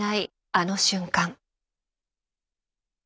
あの瞬間。